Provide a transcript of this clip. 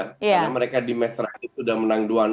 karena mereka di match terakhir sudah menang dua